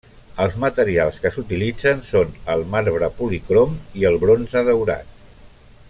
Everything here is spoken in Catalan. Els materials que s’utilitzen són el marbre policrom i el bronze daurat.